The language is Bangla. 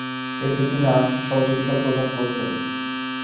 এতে তিনি আর্থিক সহযোগিতা প্রদান করতেন।